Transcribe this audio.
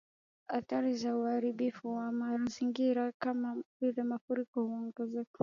Athari za Uharibifu wa Mazingira Kama Vile mafuriko huongezeka